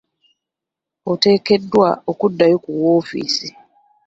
Oteekeddwa okuddayo ku woofiisi